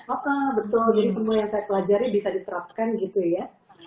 oke betul jadi semua yang saya pelajari bisa diterapkan gitu ya